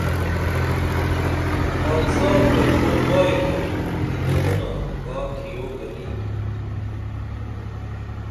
خاکسار تہ ݜعوبائی تے دیدنونہ کا تِھیو گنی